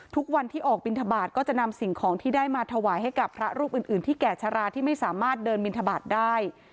ทุกวันที่ออกบินทบาทก็จะนำสิ่งของที่ได้มาถวายให้กับพระรูปอื่นที่แก่ชะลาที่ไม่สามารถเดินบินทบาทได้